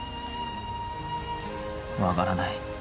わからない